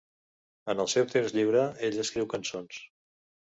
En el seu temps lliure, ella escriu cançons.